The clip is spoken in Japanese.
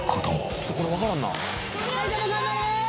ちょっとこれわからんな。